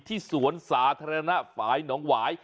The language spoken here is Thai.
ที่สวนสาธารณะปลายน้องหวาย